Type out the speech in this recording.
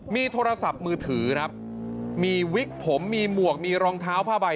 มีโทรศัพท์มือถือครับมีวิกผมมีหมวกมีรองเท้าผ้าใบ